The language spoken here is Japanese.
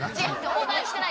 オーダーしてないです。